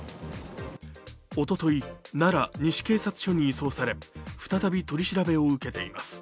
おととい、奈良西警察署に移送され再び取り調べを受けています。